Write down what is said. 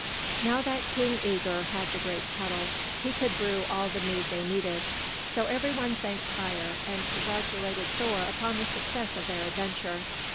Now that King Œgir had the great kettle, he could brew all the mead they needed. So every one thanked Tŷr and congratulated Thor upon the success of their adventure.